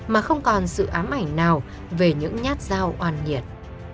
mà không còn sự ám ảnh nào về những nhát dao oan nhiệt